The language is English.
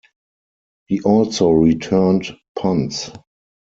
He also returned punts.